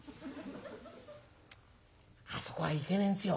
「あそこは行けねえんですよ」。